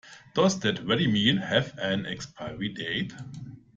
Does that ready meal have an expiry date?